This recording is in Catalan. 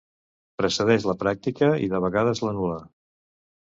Precedeix la pràctica, i de vegades l'anul·la.